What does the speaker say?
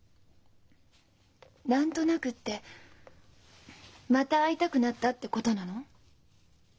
「何となく」ってまた会いたくなったってことなの？